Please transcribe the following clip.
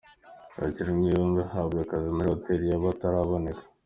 Yakiranwe yombi, ahabwa akazi muri Hotel y’akataraboneka .